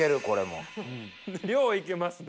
量行けますね。